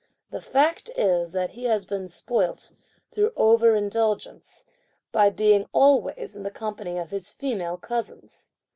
The fact is that he has been spoilt, through over indulgence, by being always in the company of his female cousins!